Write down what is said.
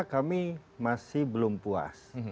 kami masih belum puas